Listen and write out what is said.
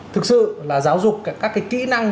thực sự là giáo dục các cái kĩ năng